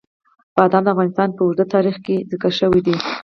بادام د افغانستان په اوږده تاریخ کې ذکر شوی دی.